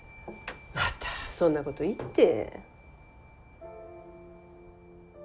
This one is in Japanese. またそんなこと言って。